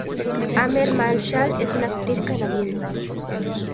Amber Marshall es una actriz canadiense.